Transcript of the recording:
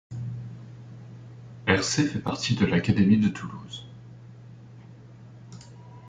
Ercé fait partie de l'académie de Toulouse.